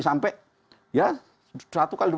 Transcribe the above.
sampai ya satu x dua puluh empat jam